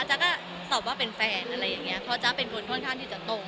จ๊ะก็ตอบว่าเป็นแฟนอะไรอย่างเงี้เพราะจ๊ะเป็นคนค่อนข้างที่จะตรง